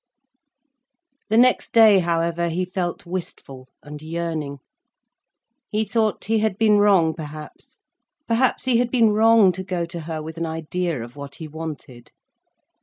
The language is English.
The next day however, he felt wistful and yearning. He thought he had been wrong, perhaps. Perhaps he had been wrong to go to her with an idea of what he wanted.